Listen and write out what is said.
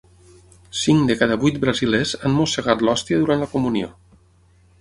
Cinc de cada vuit brasilers han mossegat l'hòstia durant la comunió.